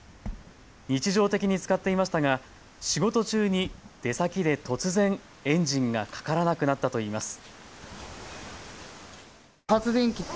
日常的に使っていましたが仕事中に出先で突然、エンジンがかからなくなったといいます。